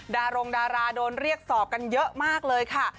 ดารงดาราโดนเรียกสอบกันเยอะมากเลยค่ะ